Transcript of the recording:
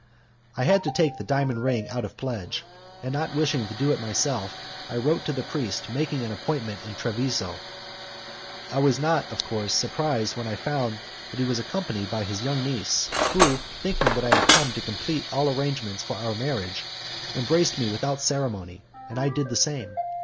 I had to take the diamond ring out of pledge, and not wishing to do it myself, I wrote to the priest making an appointment in Treviso. I was not, of course, surprised when I found that he was accompanied by his lovely niece, who, thinking that I had come to complete all arrangements for our marriage, embraced me without ceremony, and I did the same.